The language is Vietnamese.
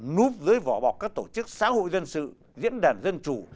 núp dưới vỏ bọc các tổ chức xã hội dân sự diễn đàn dân chủ